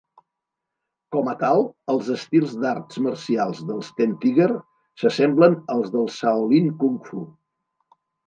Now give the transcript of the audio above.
Com a tal, els estils d'arts marcials dels Ten Tiger s'assemblen als del Shaolin Kung Fu.